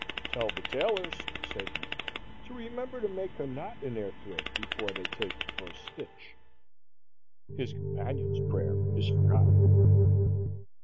"Tell the tailors," said he, "to remember to make a knot in their thread before they take the first stitch." His companion's prayer is forgotten.